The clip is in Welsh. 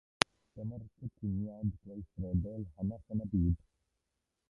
Dyma'r cytuniad gweithredol hynaf yn y byd.